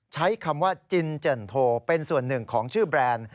ใช้คำว่าจินเจินโทเป็นส่วนหนึ่งของชื่อแบรนด์